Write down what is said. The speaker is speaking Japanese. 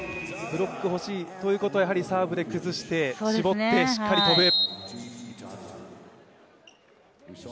ブロックが欲しいということはサーブで崩して絞って、しっかり飛ぶ。